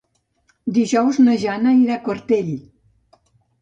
Dijous na Jana irà a Quartell.